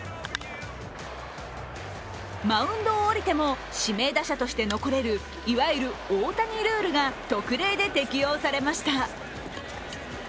マウンドを降りても指名打者として残れるいわゆる大谷ルールが特例で適用されました。